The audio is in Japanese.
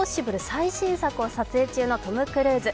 最新作を撮影中のトム・クルーズ。